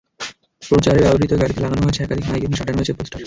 প্রচারে ব্যবহূত গাড়িতে লাগানো হয়েছে একাধিক মাইক এবং সাঁটানো হয়েছে পোস্টার।